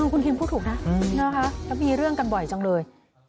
คุณคิมพูดถูกนะแล้วมีเรื่องกันบ่อยจังเลย